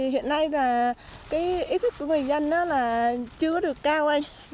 hiện nay ý thức của người dân chưa được cao